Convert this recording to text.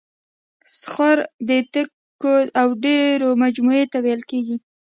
صخره د تیکو او ډبرو مجموعې ته ویل کیږي.